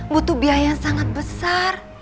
butuh biaya yang sangat besar